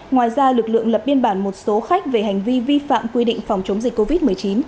ngoài ra lực lượng lập biên bản một số khách về hành vi vi phạm quy định phòng chống dịch covid một mươi chín